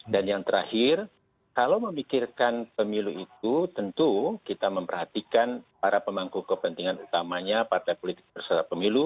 dan yang terakhir kalau memikirkan pemilu itu tentu kita memperhatikan para pemangku kepentingan utamanya partai politik bersama pemilu